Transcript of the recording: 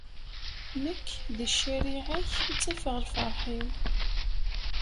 Nekk, di ccariɛa-k i ttafeɣ lferḥ-iw.